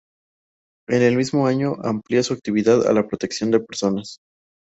En el mismo año amplía su actividad a la protección de personas.